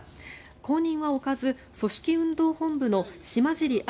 後任は置かず組織運動本部の島尻安